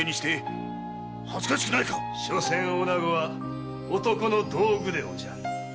しょせん女子は男の道具でおじゃる。